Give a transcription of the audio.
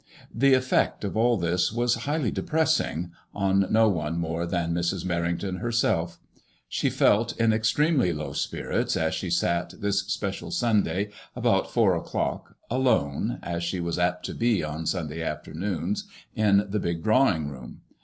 The efTect of all this was highly depressing, on no one more than Mrs. Mer rington herself. She felt in MAD£MOISKLL£ IXK. 93 extremely low spirits as she sat this special Sunday, about four o'clock, alone, as she was apt to be left on Sunday afternoons, in the big drawing room.